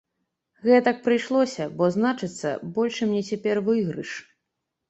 Гэтак прыйшлося, бо, значыцца, большы мне цяпер выйгрыш.